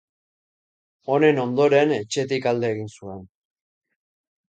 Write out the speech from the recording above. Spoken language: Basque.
Honen ondoren, etxetik alde egin zuen.